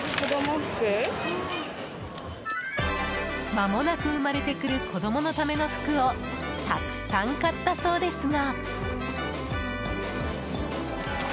まもなく生まれてくる子供のための服をたくさん買ったそうですが。